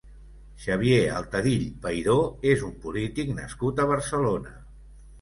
Xavier Altadill Peiró és un polític nascut a Barcelona.